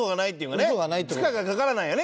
負荷がかからないよね